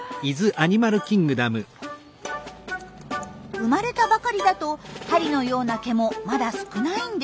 生まれたばかりだと針のような毛もまだ少ないんです。